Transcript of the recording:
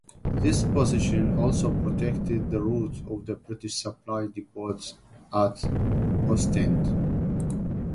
This position also protected the route to the British supply depot at Ostend.